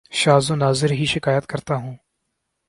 شاز و ناذر ہی شکایت کرتا ہوں